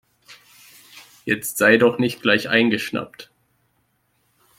Jetzt sei doch nicht gleich eingeschnappt.